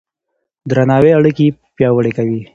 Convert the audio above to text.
درناوی اړيکې پياوړې کوي.